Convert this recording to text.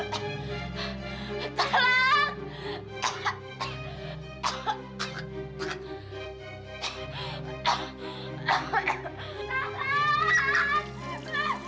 kemarin tidak boleh gagal